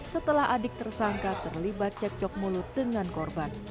setelah adik tersangka terlibat cek cok mulut dengan korban